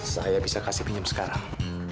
saya bisa kasih pinjam sekarang